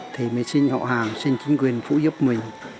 thì mình xin hậu hàng xin chính quyền phụ giúp mình